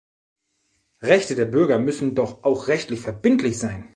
Rechte der Bürger müssen doch auch rechtlich verbindlich sein!